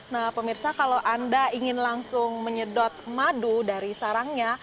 nah pemirsa kalau anda ingin langsung menyedot madu dari sarangnya